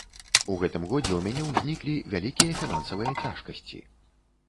У гэтым годзе ў мяне ўзніклі вялікія фінансавыя цяжкасці.